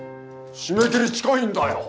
締め切り近いんだよ！